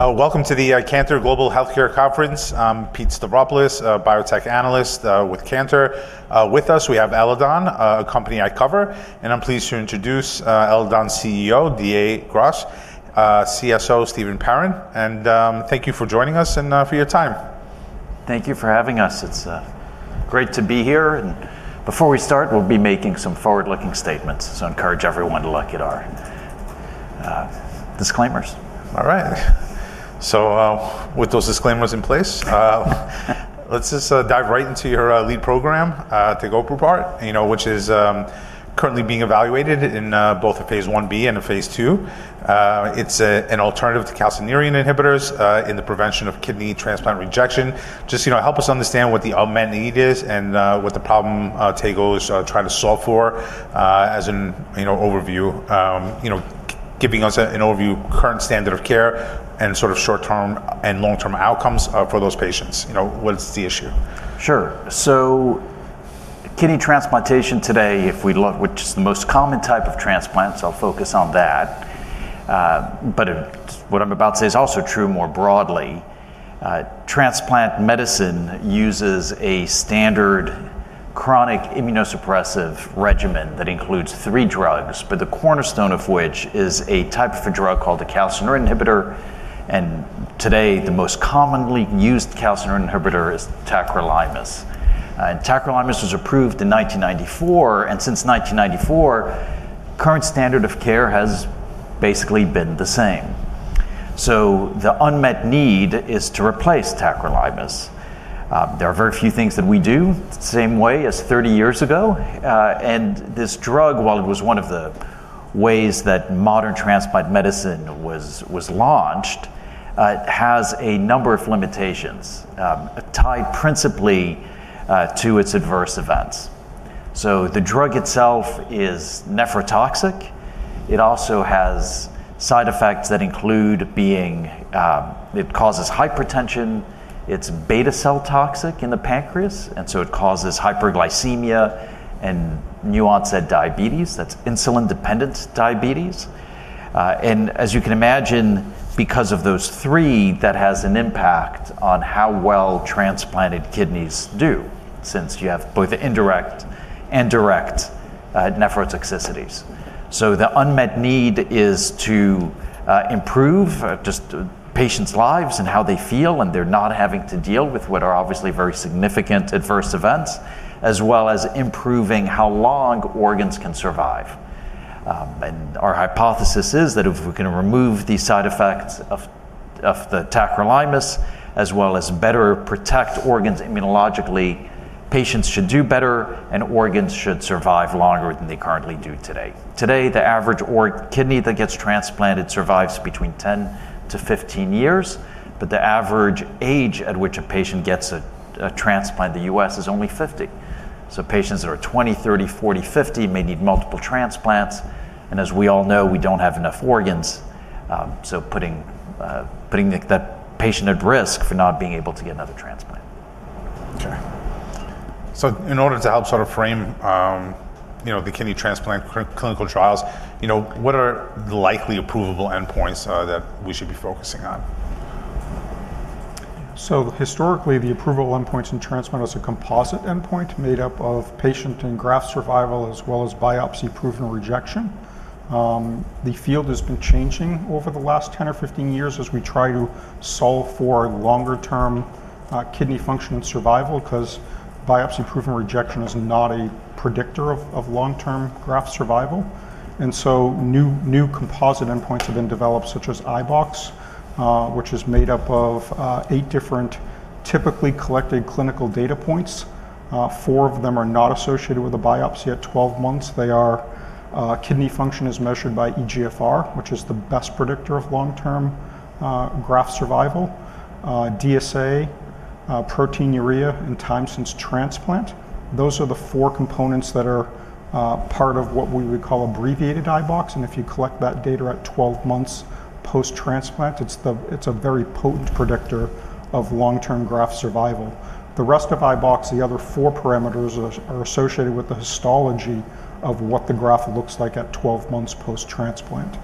Welcome to the Cantor Global Healthcare Conference. I'm Pete Stavropoulos, a Biotech Analyst with Cantor. With us, we have Eledon, a company I cover. I'm pleased to introduce Eledon's CEO, D.A. Gros, and CSO Steven Perrin. Thank you for joining us and for your time. Thank you for having us. It's great to be here. Before we start, we'll be making some forward-looking statements. I encourage everyone to look at our disclaimers. All right. With those disclaimers in place, let's just dive right into your lead program, the tegoprubart, which is currently being evaluated in both a phase I-B and a phase II. It's an alternative to calcineurin inhibitors in the prevention of kidney transplant rejection. Just help us understand what the unmet need is and what the problem tegoprubart is trying to solve for as an overview, giving us an overview of the current standard of care and sort of short-term and long-term outcomes for those patients. What's the issue? Sure. Kidney transplantation today, if we look, which is the most common type of transplant, so I'll focus on that. What I'm about to say is also true more broadly. Transplant medicine uses a standard chronic immunosuppressive regimen that includes three drugs, but the cornerstone of which is a type of drug called a calcineurin inhibitor. Today, the most commonly used calcineurin inhibitor is tacrolimus. Tacrolimus was approved in 1994. Since 1994, the current standard of care has basically been the same. The unmet need is to replace tacrolimus. There are very few things that we do the same way as 30 years ago. This drug, while it was one of the ways that modern transplant medicine was launched, has a number of limitations tied principally to its adverse events. The drug itself is nephrotoxic. It also has side effects that include causing hypertension. It's beta- cell toxic in the pancreas, so it causes hyperglycemia and new-onset diabetes. That's insulin-dependent diabetes. As you can imagine, because of those three, that has an impact on how well transplanted kidneys do, since you have both indirect and direct nephrotoxicities. The unmet need is to improve just patients' lives and how they feel, and they're not having to deal with what are obviously very significant adverse events, as well as improving how long organs can survive. Our hypothesis is that if we can remove the side effects of the tacrolimus, as well as better protect organs immunologically, patients should do better, and organs should survive longer than they currently do today. Today, the average kidney that gets transplanted survives between 10 years- 15 years. The average age at which a patient gets a transplant in the U.S. is only 50. Patients that are 20, 30, 40, 50 may need multiple transplants. As we all know, we don't have enough organs. Putting that patient at risk for not being able to get another transplant. OK. In order to help sort of frame the kidney transplant clinical trials, what are the likely approval endpoints that we should be focusing on? Historically, the approval endpoints in transplant are a composite endpoint made up of patient and graft survival, as well as biopsy-proven rejection. The field has been changing over the last 10 years or 15 years as we try to solve for longer-term kidney function and survival because biopsy-proven rejection is not a predictor of long-term graft survival. New composite endpoints have been developed, such as iBOX, which is made up of eight different typically collected clinical data points. Four of them are not associated with a biopsy at 12 months. Their kidney function is measured by eGFR, which is the best predictor of long-term graft survival, DSA, proteinuria, and time since transplant. Those are the four components that are part of what we would call abbreviated iBOX. If you collect that data at 12 months post-transplant, it's a very potent predictor of long-term graft survival. The rest of iBOX, the other four parameters, are associated with the histology of what the graft looks like at 12 months post-transplant.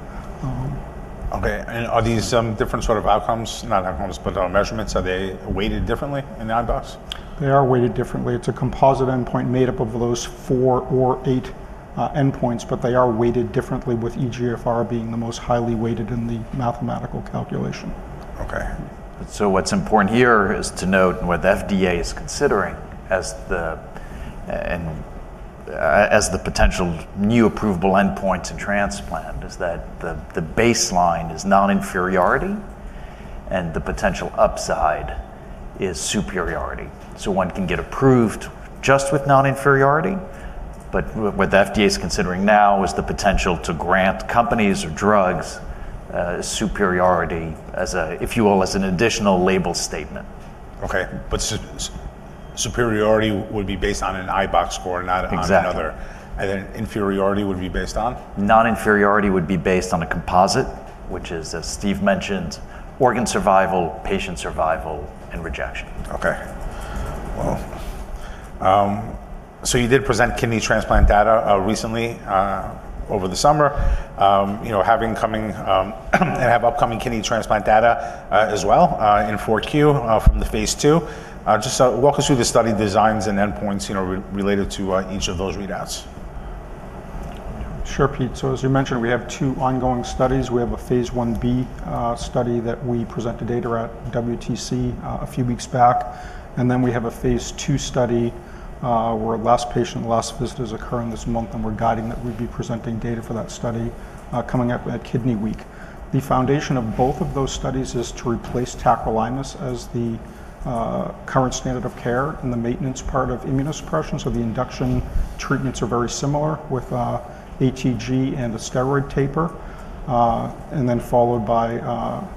OK. Are these different sort of outcomes, not outcomes, but measurements, weighted differently in iBOX? They are weighted differently. It's a composite endpoint made up of those four or eight endpoints. They are weighted differently, with eGFR being the most highly weighted in the mathematical calculation. OK. What's important here is to note what the FDA is considering as the potential new approval endpoint to transplant is that the baseline is non-inferiority, and the potential upside is superiority. One can get approved just with non-inferiority. What the FDA is considering now is the potential to grant companies or drugs superiority, if you will, as an additional label statement. OK. Superiority would be based on an iBOX score, not another. Inferiority would be based on? Non-inferiority would be based on a composite, which is, as Steve mentioned, organ survival, patient survival, and rejection. OK. You did present kidney transplant data recently over the summer, having upcoming kidney transplant data as well in 4Q from the phase II. Just walk us through the study designs and endpoints related to each of those readouts. Sure, Pete. As you mentioned, we have two ongoing studies. We have a phase I-B study that we presented data at WTC a few weeks back. We have a phase II study where last patient last visit is occurring this month. We're guiding that we'd be presenting data for that study coming up at Kidney Week. The foundation of both of those studies is to replace tacrolimus as the current standard of care in the maintenance part of immunosuppression. The induction treatments are very similar with ATG and a steroid taper, then followed by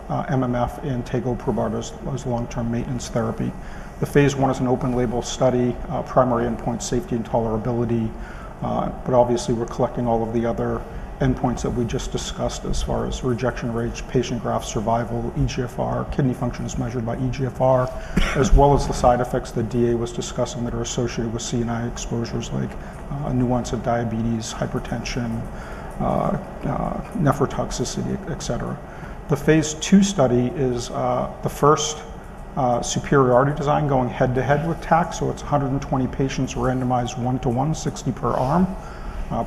MMF and tegoprubart as long-term maintenance therapy. The phase I is an open-label study, primary endpoint safety and tolerability. Obviously, we're collecting all of the other endpoints that we just discussed as far as rejection rates, patient graft survival, eGFR, kidney function is measured by eGFR, as well as the side effects that D.A. was discussing that are associated with CNI exposures, like new-onset diabetes, hypertension, nephrotoxicity, et cetera. The phase II study is the first superiority design going head- to- head with TAC. It's 120 patients randomized one- to- one, 60 per arm.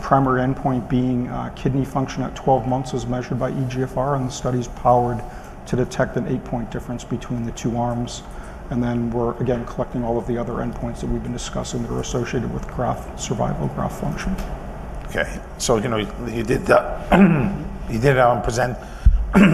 Primary endpoint being kidney function at 12 months is measured by eGFR. The study is powered to detect an eight-point difference between the two arms. We're again collecting all of the other endpoints that we've been discussing that are associated with graft survival, graft function. OK. You did present,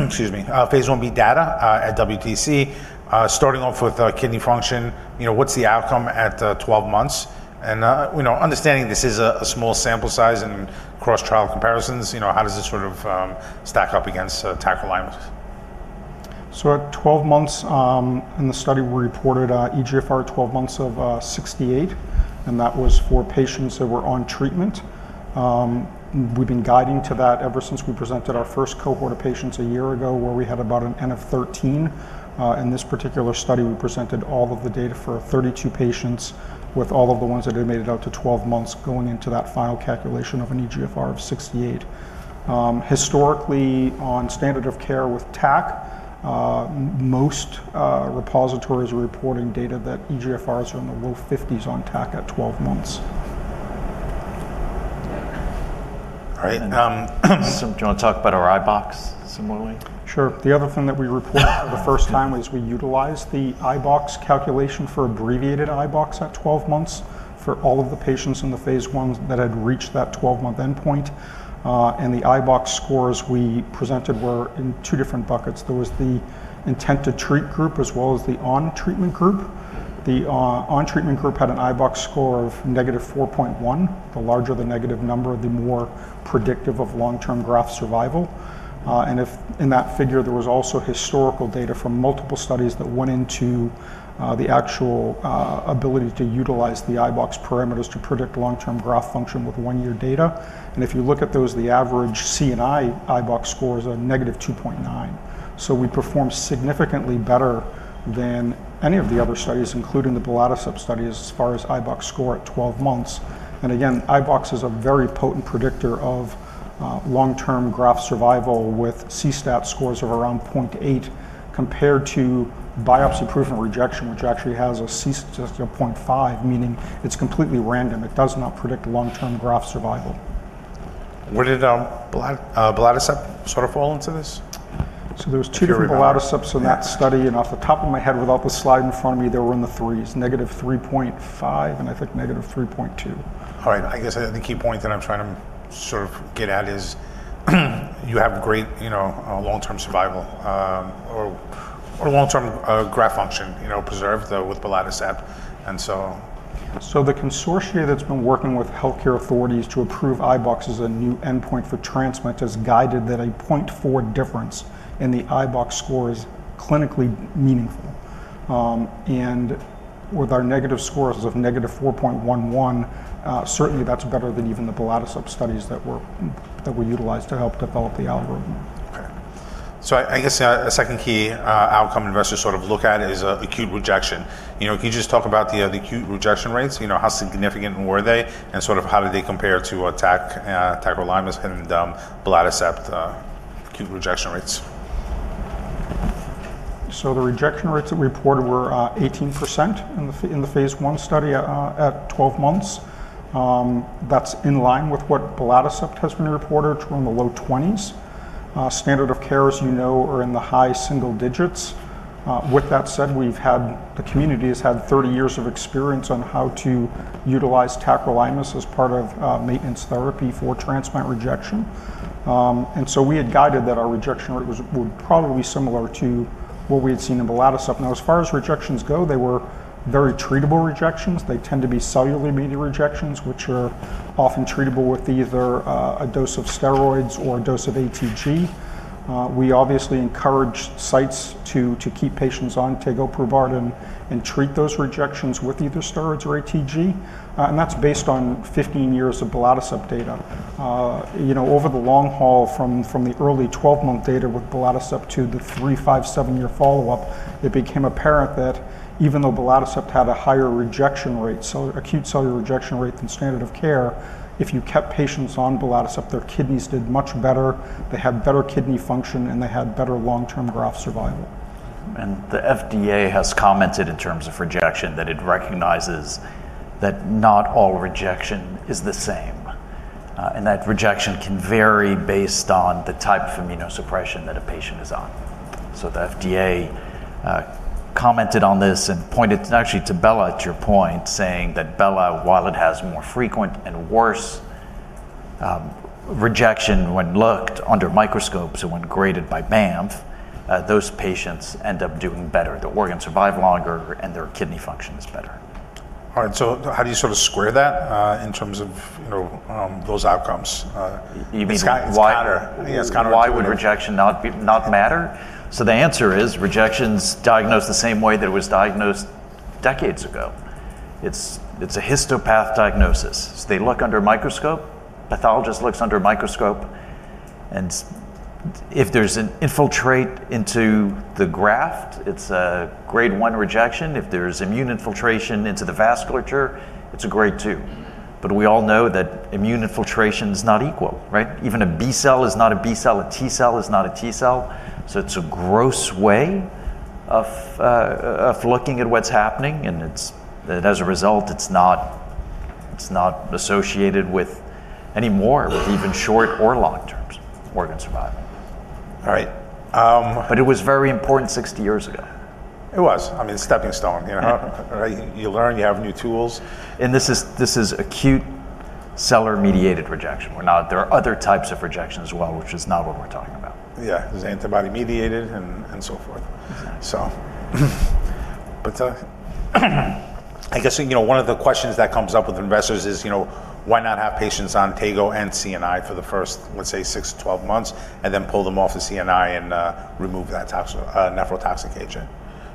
excuse me, phase I-B data at WTC, starting off with kidney function. What's the outcome at 12 months? Understanding this is a small sample size and cross-trial comparisons, how does this sort of stack up against tacrolimus? At 12 months in the study, we reported eGFR at 12 months of 68. That was for patients that were on treatment. We've been guiding to that ever since we presented our first cohort of patients a year ago, where we had about an N of 13. In this particular study, we presented all of the data for 32 patients with all of the ones that had made it out to 12 months going into that final calculation of an eGFR of 68. Historically, on standard of care with tacrolimus, most repositories are reporting data that eGFR is in the low 50s on tacrolimus at 12 months. All right. Do you want to talk about our iBOX similarly? Sure. The other thing that we report to the first family is we utilized the iBOX calculation for abbreviated iBOX at 12 months for all of the patients in the phase I that had reached that 12-month endpoint. The iBOX scores we presented were in two different buckets. There was the intent-to-treat group, as well as the on-treatment group. The on-treatment group had an iBOX score of - 4.1. The larger the negative number, the more predictive of long-term graft survival. In that figure, there was also historical data from multiple studies that went into the actual ability to utilize the iBOX parameters to predict long-term graft function with one-year data. If you look at those, the average CNI iBOX score is a - 2.9. We performed significantly better than any of the other studies, including the BALAD sub-studies as far as iBOX score at 12 months. iBOX is a very potent predictor of long-term graft survival with CSAT scores of around 0.8 compared to biopsy-proven rejection, which actually has a CSAT of 0.5, meaning it's completely random. It does not predict long-term graft survival. Would it BALAD sub-study sort of fall into this? There were two different BALAD sub-studies in that study. Off the top of my head, without the slide in front of me, they were in the 3s, - 3.5 and I think - 3.2. All right. I guess the key point that I'm trying to sort of get at is you have great long-term survival or long-term graft function preserved with BALAD sub-studies. The consortia that's been working with health care authorities to approve iBOX as a new endpoint for transplant has guided that a 0.4 difference in the iBOX score is clinically meaningful. With our negative scores of -4 .11, certainly that's better than even the BALAD sub-studies that were utilized to help develop the algorithm. OK. I guess the second key outcome investors sort of look at is acute rejection. Can you just talk about the acute rejection rates? How significant were they? How did they compare to tacrolimus and BALAD sub acute rejection rates? The rejection rates that we reported were 18% in the phase I-B study at 12 months. That's in line with what BALAD sub-studies have reported, which were in the low 20s. Standard of care, as you know, are in the high single digits. The community has had 30 years of experience on how to utilize tacrolimus as part of maintenance therapy for transplant rejection. We had guided that our rejection rate would probably be similar to what we had seen in BALAD sub-studies. As far as rejections go, they were very treatable rejections. They tend to be cellular-mediated rejections, which are often treatable with either a dose of steroids or a dose of ATG. We obviously encourage sites to keep patients on tegoprubart and treat those rejections with either steroids or ATG. That's based on 15 years of BALAD sub-studies data. Over the long haul, from the early 12-month data with BALAD sub-studies to the three, five, seven-year follow-up, it became apparent that even though BALAD sub-studies had a higher rejection rate, so acute cellular rejection rate than standard of care, if you kept patients on BALAD sub-studies, their kidneys did much better. They had better kidney function and they had better long-term graft survival. The FDA has commented in terms of rejection that it recognizes that not all rejection is the same, and that rejection can vary based on the type of immunosuppression that a patient is on. The FDA commented on this and pointed actually to belatacept, to your point, saying that belatacept, while it has more frequent and worse rejection when looked under microscopes and when graded by BANFF, those patients end up doing better. The organs survive longer, and their kidney function is better. All right. How do you sort of square that in terms of those outcomes? You mean why would rejection not matter? The answer is rejection is diagnosed the same way that it was diagnosed decades ago. It's a histopath diagnosis. They look under a microscope. The pathologist looks under a microscope. If there's an infiltrate into the graft, it's a grade 1 rejection. If there is immune infiltration into the vasculature, it's a Grade 2. We all know that immune infiltration is not equal, right? Even a B cell is not a B cell. A T cell is not a T cell. It's a gross way of looking at what's happening. As a result, it's not associated with any more of even short or long-term organ survival. All right. It was very important 60 years ago. It was, I mean, stepping stone. You learn, you have new tools. This is acute cellular-mediated rejection. There are other types of rejection as well, which is not what we're talking about. Yeah, it's antibody-mediated and so forth. I guess one of the questions that comes up with investors is why not have patients on tegoprubart and CNI for the first, let's say, 6 to 12 months, and then pull them off the CNI and remove that nephrotoxic agent?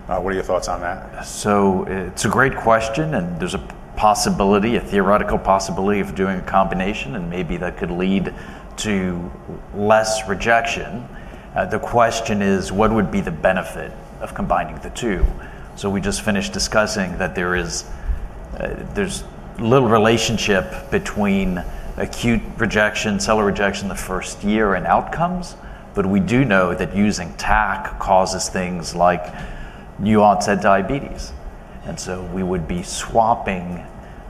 What are your thoughts on that? It's a great question. There's a possibility, a theoretical possibility of doing a combination. Maybe that could lead to less rejection. The question is, what would be the benefit of combining the two? We just finished discussing that there's little relationship between acute rejection, cellular rejection in the first year, and outcomes. We do know that using tacrolimus causes things like new-onset diabetes. We would be swapping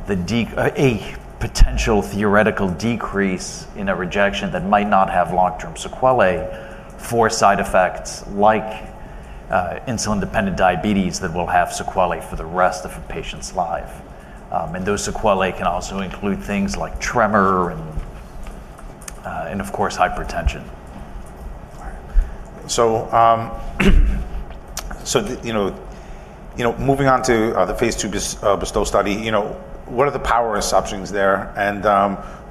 a potential theoretical decrease in a rejection that might not have long-term sequelae for side effects like insulin-dependent diabetes that will have sequelae for the rest of a patient's life. Those sequelae can also include things like tremor and, of course, hypertension. Moving on to the phase II bestow study, what are the power assumptions there?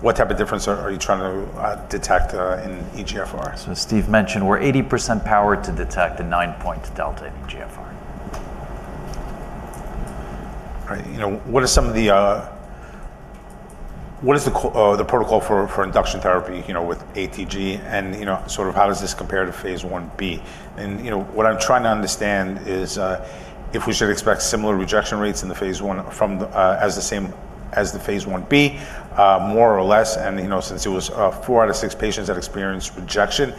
What type of difference are you trying to detect in eGFR? As Steve mentioned, we're 80% powered to detect a nine-point delta in eGFR. What are some of the protocols for induction therapy with ATG? How does this compare to phase I-B? What I'm trying to understand is if we should expect similar rejection rates in the phase I as the same as the phase I-B, more or less, since it was four out of six patients that experienced rejection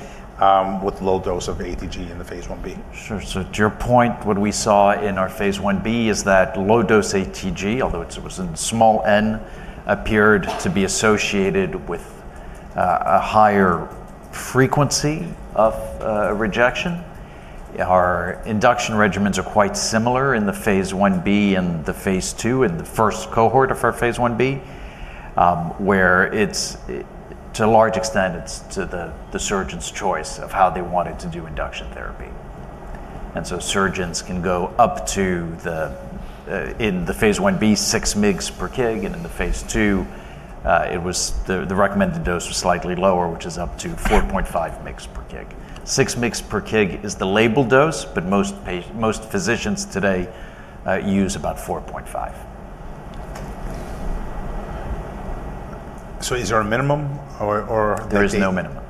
with a low dose of ATG in the phase I-B. Sure. To your point, what we saw in our phase I-B is that low dose ATG, although it was in small n, appeared to be associated with a higher frequency of rejection. Our induction regimens are quite similar in the phase I-B and the phase II in the first cohort of our phase I-B, where to a large extent, it's to the surgeon's choice of how they wanted to do induction therapy. Surgeons can go up to, in the phase I-B, 6 mg per kg. In the phase II, the recommended dose was slightly lower, which is up to 4.5 mg per kg. 6 mg per kg is the label dose. Most physicians today use about 4.5. Is there a minimum? There is no minimum.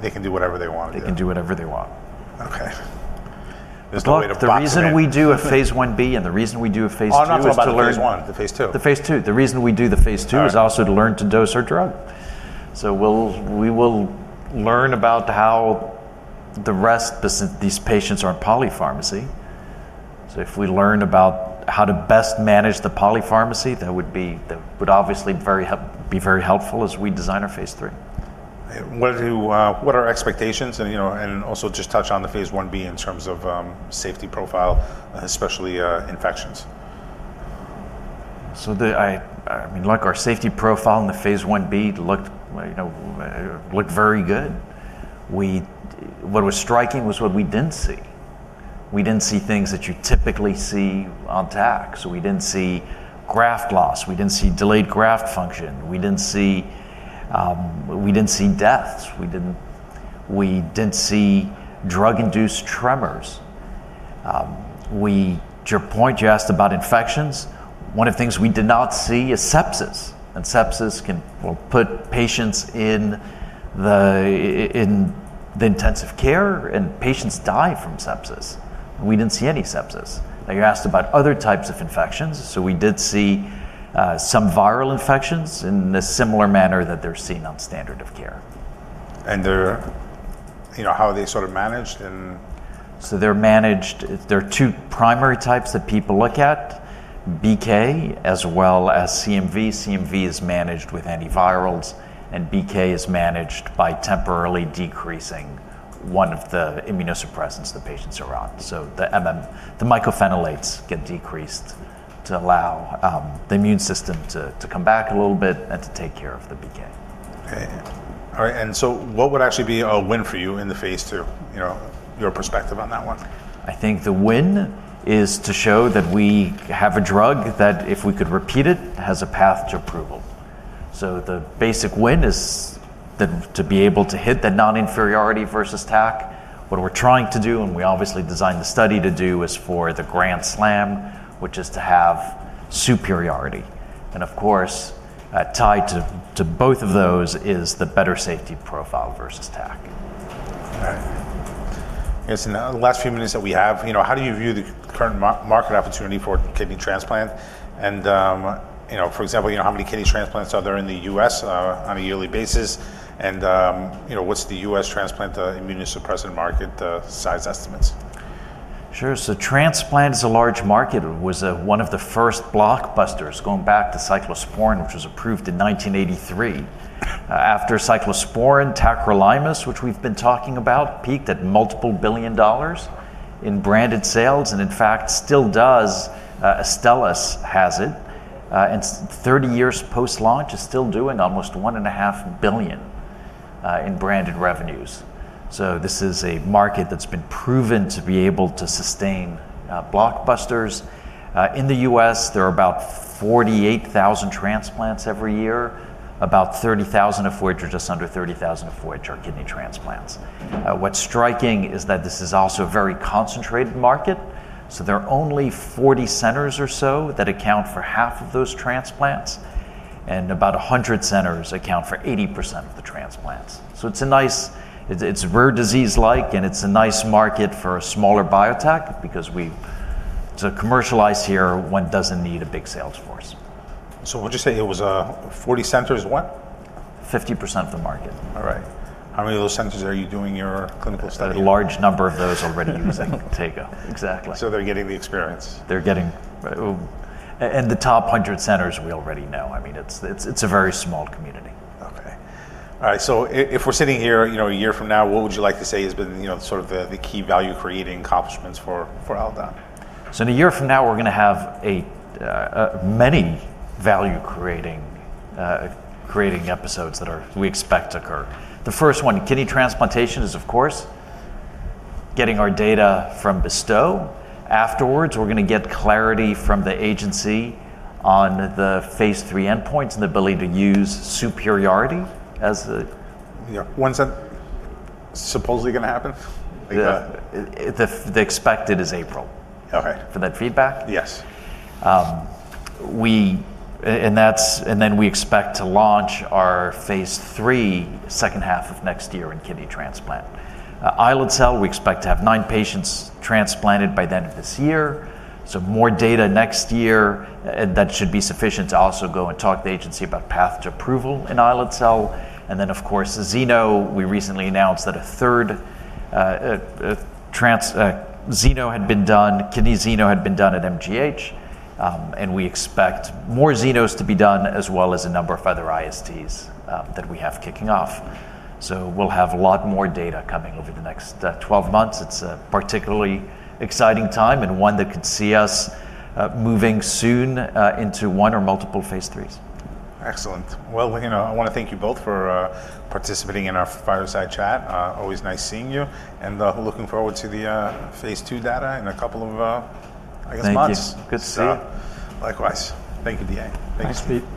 They can do whatever they want to do? They can do whatever they want. OK. The reason we do a phase I-B and the reason we do a phase II is to learn. Oh, not just the phase I-B, the phase II. The phase II. The reason we do the phase II is also to learn to dose our drug. We will learn about how the rest, these patients are in polypharmacy. If we learn about how to best manage the polypharmacy, that would obviously be very helpful as we design our phase IIII. What are our expectations? Also, just touch on the phase 1B in terms of safety profile, especially infections. I mean, look, our safety profile in the phase I-B looked very good. What was striking was what we didn't see. We didn't see things that you typically see on tacrolimus. We didn't see graft loss. We didn't see delayed graft function. We didn't see deaths. We didn't see drug-induced tremors. To your point, you asked about infections. One of the things we did not see is sepsis. Sepsis can put patients in the intensive care. Patients die from sepsis. We didn't see any sepsis. You asked about other types of infections. We did see some viral infections in a similar manner that they're seen on standard of care. How are they sort of managed? There are two primary types that people look at, BK as well as CMV. CMV is managed with antivirals. BK is managed by temporarily decreasing one of the immunosuppressants the patients are on. The mycophenolates get decreased to allow the immune system to come back a little bit and to take care of the BK. All right. What would actually be a win for you in the phase II, your perspective on that one? I think the win is to show that we have a drug that, if we could repeat it, has a path to approval. The basic win is to be able to hit the non-inferiority versus tacrolimus. What we're trying to do, and we obviously designed the study to do, is for the grand slam, which is to have superiority. Of course, tied to both of those is the better safety profile versus tacrolimus. All right. Yes. Now, in the last few minutes that we have, how do you view the current market opportunity for kidney transplants? For example, how many kidney transplants are there in the U.S. on a yearly basis? What's the U.S. transplant immunosuppressant market size estimates? Sure. Transplant is a large market. It was one of the first blockbusters going back to cyclosporine, which was approved in 1983. After cyclosporine, tacrolimus, which we've been talking about, peaked at multiple billion dollars in branded sales. In fact, it still does. Astellas has it, and 30 years post-launch, it's still doing almost $1.5 billion in branded revenues. This is a market that's been proven to be able to sustain blockbusters. In the U.S., there are about 48,000 transplants every year, just under 30,000 of which are kidney transplants. What's striking is that this is also a very concentrated market. There are only 40 centers or so that account for half of those transplants, and about 100 centers account for 80% of the transplants. It's rare disease-like, and it's a nice market for a smaller biotech because to commercialize here, one doesn't need a big sales force. Would you say it was 40 centers, what? 50% of the market. All right. How many of those centers are you doing your clinical studies? A large number of those already use tacrolimus. Exactly. They're getting the experience. They're getting the top 100 centers. We already know. I mean, it's a very small community. All right. If we're sitting here a year from now, what would you like to say has been sort of the key value-creating accomplishments for Eledon? In a year from now, we're going to have many value-creating episodes that we expect to occur. The first one, kidney transplantation, is of course getting our data from bestow. Afterwards, we're going to get clarity from the agency on the phase III endpoints and the ability to use superiority as a. Yeah. When is that supposedly going to happen? The expected is April. OK. For that feedback? Yes. We expect to launch our phase III in the second half of next year in kidney transplant. Islet cell, we expect to have nine patients transplanted by the end of this year, so more data next year. That should be sufficient to also go and talk to the agency about path to approval in islet cell. Of course, xenotransplantation, we recently announced that a third kidney xenotransplantation had been done at MGH. We expect more xenotransplantations to be done, as well as a number of other ISDs that we have kicking off. We'll have a lot more data coming over the next 12 months. It's a particularly exciting time and one that could see us moving soon into one or multiple phase IIIs. Excellent. I want to thank you both for participating in our fireside chat. Always nice seeing you, and looking forward to the phase II data in a couple of, I guess, months. Thanks. Good to see you. Likewise. Thank you, D.A. Thanks, Pete.